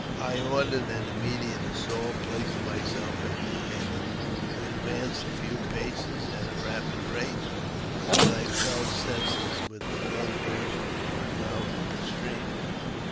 I ordered an immediate assault, placing myself at their head. We ad vanced a few paces at a rapid rate, when I fell senseless, with the blood gushing from my mouth in a stream.